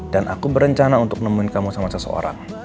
dan aku berencana untuk nemuin kamu sama seseorang